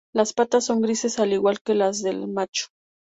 Las patas son grises al igual que las del macho.